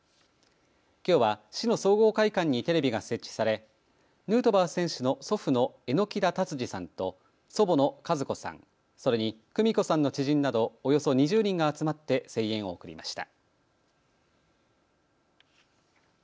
きょうは市の総合会館にテレビが設置されヌートバー選手の祖父の榎田達治さんと祖母の和子さん、それに久美子さんの知人などおよそ２０人が集まって声援を送りました。